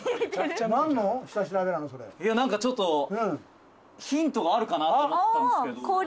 いやなんかちょっとヒントがあるかなと思ったんですけど。